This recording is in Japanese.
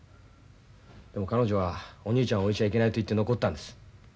でも彼女は「お兄ちゃんを置いちゃいけない」と言って残ったんです。